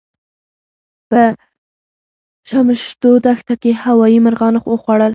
په شمشتو دښته کې هوايي مرغانو وخوړل.